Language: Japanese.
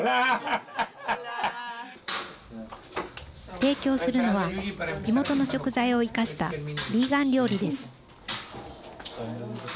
提供するのは地元の食材を生かしたビーガン料理です。